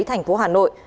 thành phố hà nội